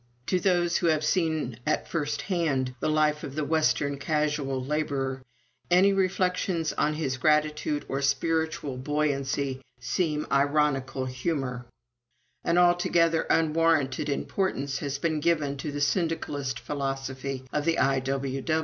To those who have seen at first hand the life of the western casual laborer, any reflections on his gratitude or spiritual buoyancy seem ironical humor. "An altogether unwarranted importance has been given to the syndicalist philosophy of the I.